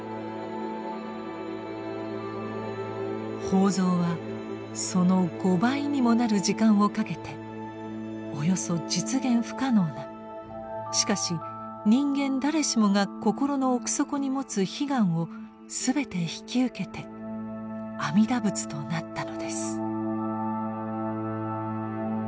法蔵はその５倍にもなる時間をかけておよそ実現不可能なしかし人間誰しもが心の奥底に持つ悲願を全て引き受けて阿弥陀仏となったのです。